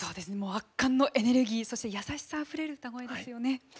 圧巻のエネルギーそして優しさあふれる歌声ですよね。